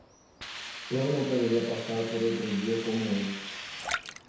Eu não poderia passar por outro dia como este.